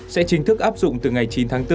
sẽ chính thức áp dụng từ ngày chín tháng bốn